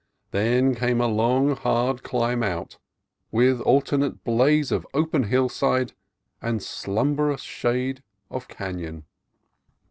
Then came a long, hard climb out, with alternate blaze of open hillside and slumberous shade of canon.